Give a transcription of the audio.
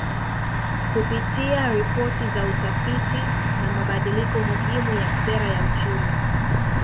Kupitia ripoti za utafiti na mabadiliko muhimu ya Sera ya Uchumi